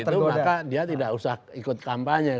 dan dengan begitu maka dia tidak usah ikut kampanye